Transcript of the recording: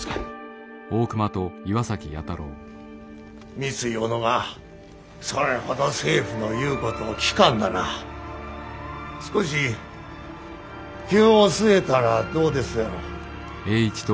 三井小野がそれほど政府の言うことを聞かんなら少し灸を据えたらどうですやろう？